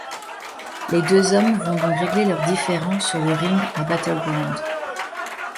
Les deux hommes vont donc régler leurs différends sur le ring à Battleground.